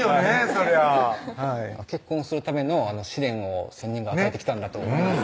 そりゃ結婚するための試練を仙人が与えてきたんだと思います